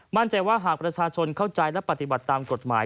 มั่นใจว่าหากประชาชนเข้าใจและปฏิบัติตามกฎหมาย